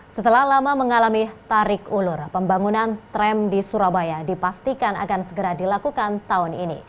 setelah lama mengalami tarik ulur pembangunan tram di surabaya dipastikan akan segera dilakukan tahun ini